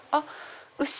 牛！